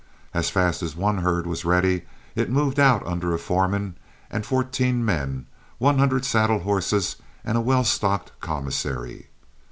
As fast as one herd was ready, it moved out under a foreman and fourteen men, one hundred saddle horses, and a well stocked commissary.